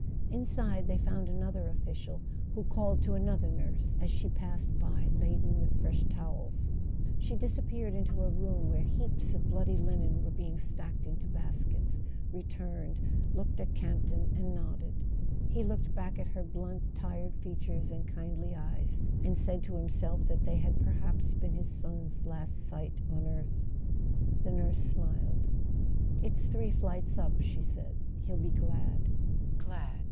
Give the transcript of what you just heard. Inside they found another official, who called to another nurse as she passed by laden with fresh towels. She disappeared into a room where heaps of bloody linen were being stacked into baskets, returned, looked at Campton and nodded. He looked back at her blunt [ 276 ] A SON AT THE FRONT tired features and kindly eyes, and said to himself that they had perhaps been his son's last sight on earth. The nurse smiled. "It's three flights up," she said; "he'll be glad." Glad!